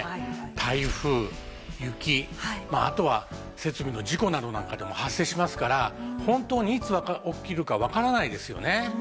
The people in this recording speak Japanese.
台風雪あとは設備の事故などなんかでも発生しますから本当にいつ起きるかわからないですよね。